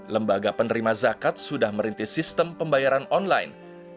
lembaga penerima zakat sudah merintis sistem pembayaran online